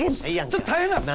ちょっと大変なんです！